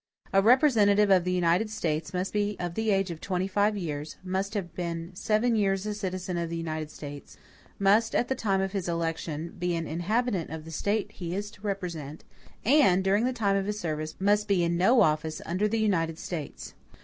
A representative of the United States must be of the age of twenty five years; must have been seven years a citizen of the United States; must, at the time of his election, be an inhabitant of the State he is to represent; and, during the time of his service, must be in no office under the United States.